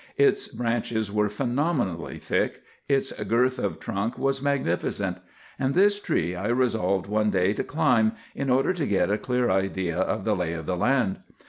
Its branches were phenomenally thick; its girth of trunk was magnificent. And this tree I resolved one day to climb, in order to get a clear idea of the lay of the land.